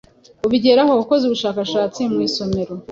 ubigeraho ukoze ubushakashatsi mu isomero,